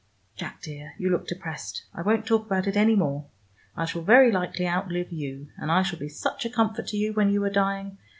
Jack, dear, you look depressed. I won't talk about it any more. I shall very likely out live you, and I shall be such a comfort to you when you are dying.